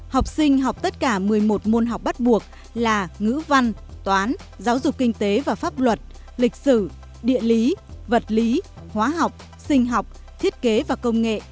học sinh học tất cả một mươi một môn học bắt buộc là ngữ văn toán giáo dục kinh tế và pháp luật lịch sử địa lý vật lý hóa học sinh học thiết kế và công nghệ